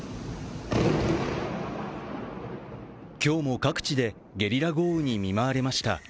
今日も各地でゲリラ豪雨に見舞われました。